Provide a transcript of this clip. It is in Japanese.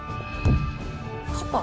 パパ？